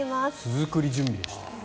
巣作り準備でした。